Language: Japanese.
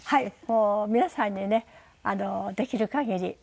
もう皆さんにねできる限り。